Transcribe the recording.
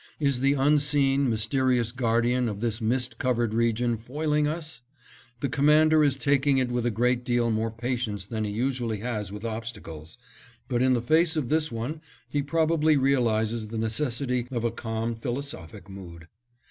Is the unseen, mysterious guardian of this mist covered region foiling us? The Commander is taking it with a great deal more patience than he usually has with obstacles, but in the face of this one he probably realizes the necessity of a calm, philosophic mood.